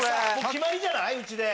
決まりじゃない？うちで。